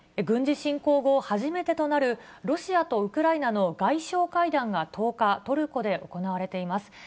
軍事侵攻後、初めてとなるロシアとウクライナの外相会談が１０日、トルコで行われています。